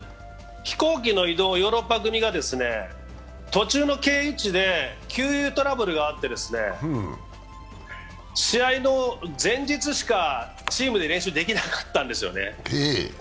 試合、始まる前にトラブルがありまして飛行機の移動をヨーロッパ組が途中の経由地で給油トラブルがあって、試合の前日しかチームで練習できなかったんですよね。